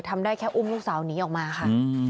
ทำได้แค่อุ้มลูกสาวหนีออกมาค่ะ